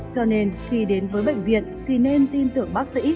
cho nên khi đến với bệnh viện thì nên tin tưởng bác sĩ